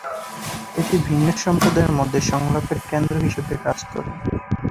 এটি বিভিন্ন সম্প্রদায়ের মধ্যে সংলাপের কেন্দ্র হিসাবে কাজ করে।